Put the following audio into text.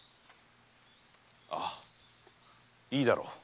〔ああいいだろう〕